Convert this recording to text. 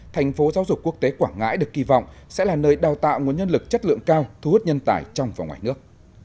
tp giao dục quốc tế quảng ngãi được kỳ vọng sẽ là nơi đào tạo nguồn nhân lực chất lượng cao thu hút nhân tài trong và ngoài nước